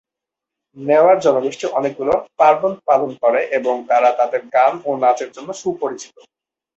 নেওয়ার জনগোষ্ঠী অনেকগুলো পার্বণ পালন করে এবং তারা তাদের গান ও নাচের জন্য সুপরিচিত।